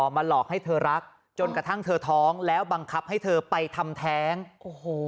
มาหลอกให้เธอรักจนกระทั่งเธอท้องแล้วบังคับให้เธอไปทำแท้งโอ้โห